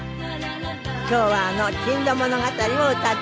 今日はあの『珍島物語』を歌っていただきます。